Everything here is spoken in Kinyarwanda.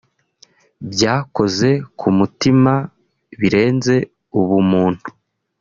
Byakoze ku mutima birenze ubumuntu